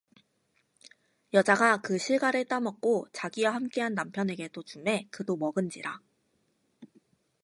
여자가 그 실과를 따먹고 자기와 함께한 남편에게도 주매 그도 먹은지라